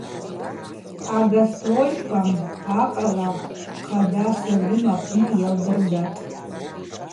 Агастрольква акъала хъада Согӏвым апны йалдыргатӏ.